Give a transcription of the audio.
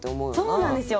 そうなんですよ！